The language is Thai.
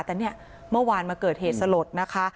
แต่เนี่ยเมื่อวานมาเกิดเหตุสลดนะคะ